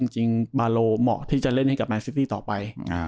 จริงบาโลเหมาะที่จะเล่นให้กับแมนซิตี้ต่อไป